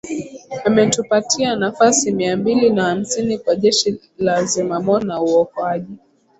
Ametupatia nafasi mia mbili na hamsini kwa Jeshi la Zimamoto na Uokoaji